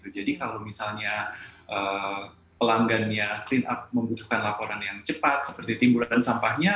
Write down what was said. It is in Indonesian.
jadi kalau misalnya pelanggannya clean up membutuhkan laporan yang cepat seperti timbulan sampahnya